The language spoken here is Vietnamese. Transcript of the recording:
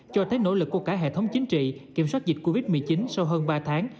cho thấy nỗ lực của cả hệ thống chính trị kiểm soát dịch covid một mươi chín sau hơn ba tháng